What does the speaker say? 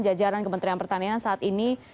jajaran kementerian pertanian saat ini